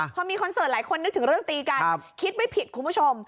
พอมีคอนเสิร์ตหลายคนนึกถึงเรื่องตีกันคิดไม่ผิดคุณผู้ชม